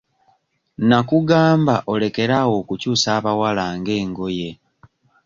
Nakugamba olekere awo okukyusa abawala nga engoye.